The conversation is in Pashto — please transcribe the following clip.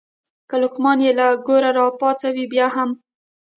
که لقمان یې له ګوره راپاڅوې بیا هم.